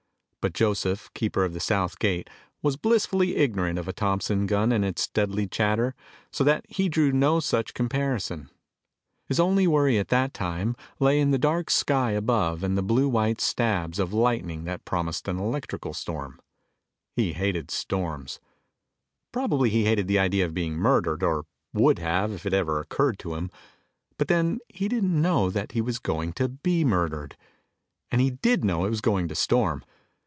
But Joseph, keeper of the south gate, was blissfully ignorant of a Thompson gun and its deadly chatter, so that he drew no such comparison. His only worry at the time lay in the dark sky above and the blue white stabs of lightning that promised an electrical storm. He hated storms. Probably he hated the idea of being murdered, or would have if it ever occurred to him. But then he didn't know that he was going to be murdered, and he did know it was going to storm.